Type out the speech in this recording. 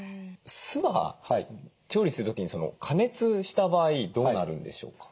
酢は調理する時に加熱した場合どうなるんでしょうか？